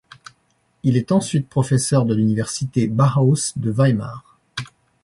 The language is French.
Il est ensuite professeur de l'université Bauhaus de Weimar.